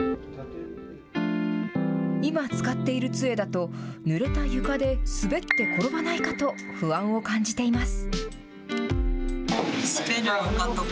今、使っているつえだと、ぬれた床で滑って転ばないかと不安を感じています。